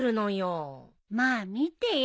まあ見てよ。